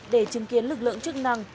để chứng kiến lực lượng chức năng